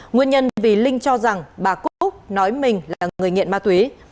nguyên nhân vì linh cho rằng bà quốc nói mình là người nghiện ma túy